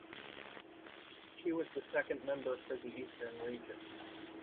She was the Second Member for the Eastern Region.